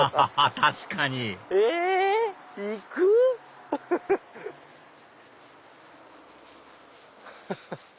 確かにえ行く？フフフフ。ハハハ。